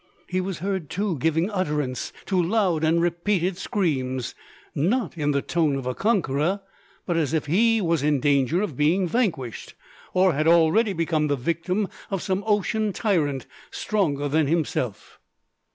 He was heard, too, giving utterance to loud and repeated screams, not in the tone of a conqueror; but as if he was in danger of being vanquished, or had already become the victim of some ocean tyrant stronger than himself!